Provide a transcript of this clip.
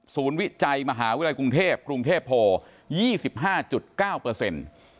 วิจัยมหาวิทยาลัยกรุงเทพกรุงเทพโพ๒๕๙เปอร์เซ็นต์